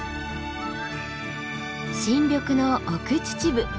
新緑の奥秩父。